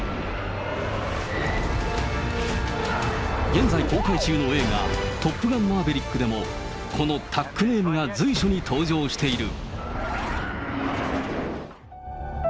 現在公開中の映画、トップガンマーヴェリックでも、このタックネームが随所に登場している。